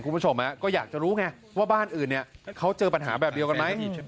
คุณผู้ชมก็อยากจะรู้ไงว่าบ้านอื่นเนี่ยเขาเจอปัญหาแบบเดียวกันไหม